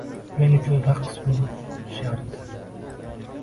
Men uchun raqs bu.... sharti!